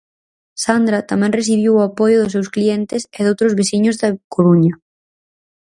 Sandra tamén recibiu o apoio dos seus clientes e doutros veciños da Coruña.